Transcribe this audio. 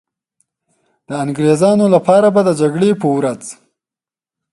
د انګریزانو لپاره به د جګړې په ورځ.